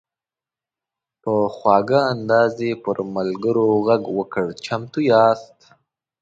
په خواږه انداز یې پر ملګرو غږ وکړ: "چمتو یاست؟"